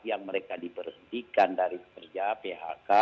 yang mereka diberhentikan dari kerja phk